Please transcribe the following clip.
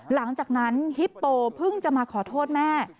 หลังจากนั้นฮิปโปเพิ่งจะมาขอโทษแม่